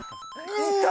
いた！